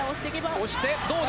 押して、どうだ？